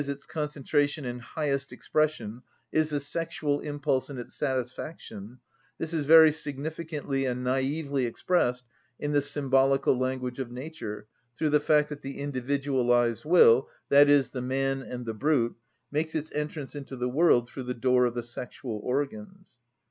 _, its concentration and highest expression, is the sexual impulse and its satisfaction, this is very significantly and naïvely expressed in the symbolical language of nature through the fact that the individualised will, that is, the man and the brute, makes its entrance into the world through the door of the sexual organs.